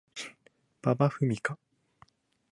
馬場ふみか